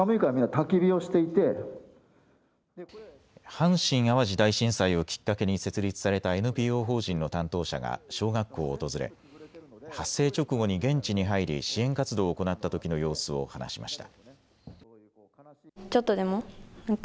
阪神・淡路大震災をきっかけに設立されたＮＰＯ法人の担当者が小学校を訪れ発生直後に現地に入り支援活動を行ったときの様子を話しました。